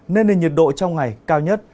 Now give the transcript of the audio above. nên nền nhiệt độ trong ngày cao nhất